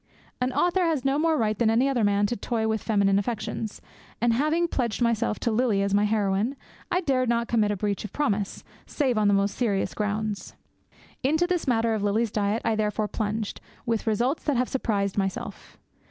An author has no more right than any other man to toy with feminine affections; and having pledged myself to Lily as my heroine, I dared not commit a breach of promise, save on most serious grounds. Into this matter of Lily's diet I therefore plunged, with results that have surprised myself.